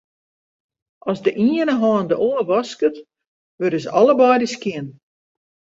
As de iene hân de oar wasket, wurde se allebeide skjin.